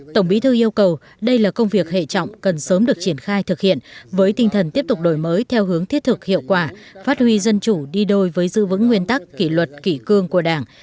tổng bí thư yêu cầu đây là công việc hệ trọng cần sớm được triển khai thực hiện với tinh thần tiếp tục đổi mới theo hướng thiết thực hiệu quả phát huy dân chủ đi đôi với dư vững nguyên tắc kỷ luật kỷ cương của đảng